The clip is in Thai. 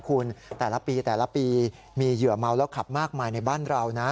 คุณแต่ละปีแต่ละปีมีเหยื่อเมาแล้วขับมากมายในบ้านเรานะ